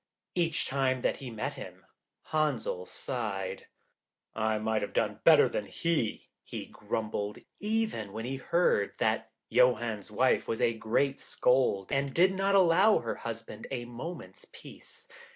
Each time that he met him, Henzel sighed. 'I might have done better than he,' he grumbled, even when he heard that Johann's wife was a great scold, and did not allow her husband a moment's peace.